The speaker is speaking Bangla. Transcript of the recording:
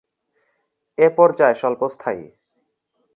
এ পর্যায় স্বল্প স্থায়ী।